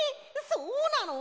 そうなの！？